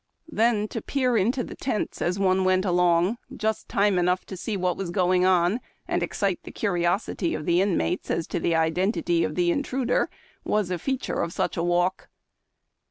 Then to peer into the tents, as one went along, just time enough to see what was going on, and excite the curiosity of the inmates as to the identity of the intruder, was a feature of such a walk.